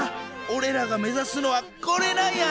おれらが目指すのはこれなんや！